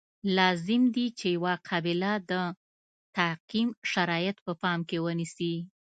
لازم دي چې یوه قابله د تعقیم شرایط په پام کې ونیسي.